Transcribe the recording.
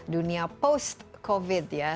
dunia post covid ya